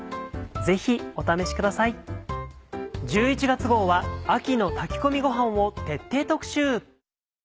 １１月号は「秋の炊き込みごはん」を徹底特集。